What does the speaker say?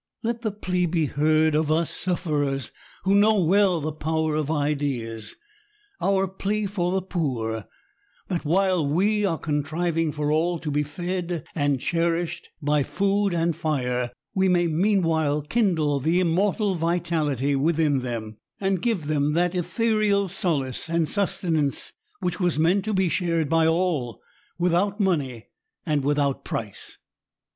Let the plea he heard of us sufferers who know well the power of ideas, — our plea for the poor, — ^that, while we are contriving for all to be fed and cherished by food and flre, we may meanwhile kindle the immortal vitality within them, and give them that ethereal solace and sustenance which was meant to be shared by all, " without money and without price."